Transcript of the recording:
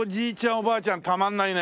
おばあちゃんたまらないね。